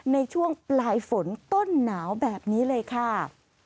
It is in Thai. ในช่วงปลายฝนต้นหนาวแบบนี้เลยค่ะ